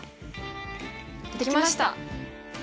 できました！